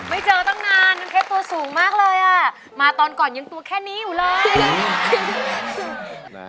ไม่เจอตั้งนานน้ำเพชรตัวสูงมากเลยอ่ะมาตอนก่อนยังตัวแค่นี้อยู่เลย